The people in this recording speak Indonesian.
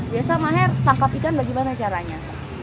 biasa maher tangkap ikan bagaimana caranya